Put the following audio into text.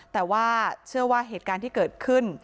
แต่ว่าเชื่อว่าเหตุการณ์ที่เกิดขึ้น